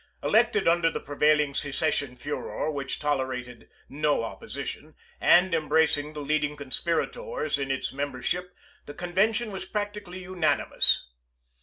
Elected under the prevailing secession furor which tolerated no opposition, and embracing the leading conspirators in its membership, the convention was practically unanimous.